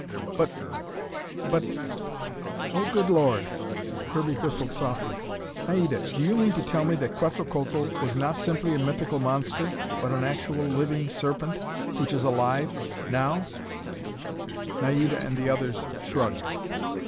"But but Oh, good Lord!" Kirby whistled softly. "Naida, do you mean to tell me that Quetzalcoatl was not simply a mythical monster, but an actual, living serpent which is alive now?" Naida and the others shrugged.